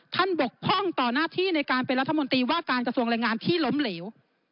บกพร่องต่อหน้าที่ในการเป็นรัฐมนตรีว่าการกระทรวงแรงงานที่ล้มเหลว